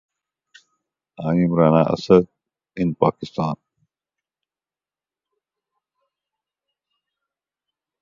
These projects included public affairs like humanitarian supply distribution, like school and medical supplies.